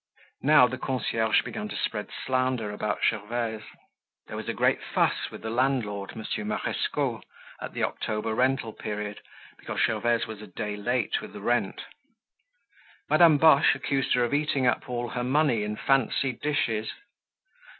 Now the concierge began to spread slander about Gervaise. There was a great fuss with the landlord, Monsieur Marescot, at the October rental period, because Gervaise was a day late with the rent. Madame Boche accused her of eating up all her money in fancy dishes.